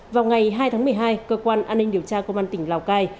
vào ngày hai tháng một mươi hai cơ quan an ninh điều tra công an tỉnh lào cai